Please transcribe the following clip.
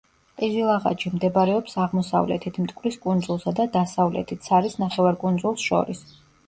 ყიზილაღაჯი მდებარეობს აღმოსავლეთით, მტკვრის კუნძულსა და დასავლეთით, სარის ნახევარკუნძულს შორის.